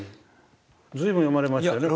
随分読まれましたよね